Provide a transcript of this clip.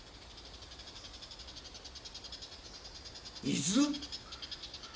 伊豆？